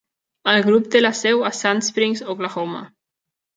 El grup té la seu a Sand Springs, Oklahoma.